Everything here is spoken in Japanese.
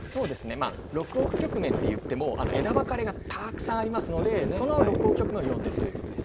まあ６億局面といっても枝分かれがたくさんありますのでその６億局面を読んでるということです。